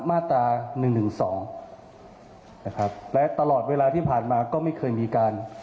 มาตราหนึ่งหนึ่งสองนะครับและตลอดเวลาที่ผ่านมาก็ไม่เคยมีการ